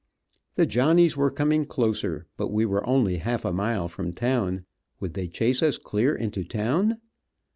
The Johnnies were coming closer, but we were only half a mile from town. Would they chase us clear into town?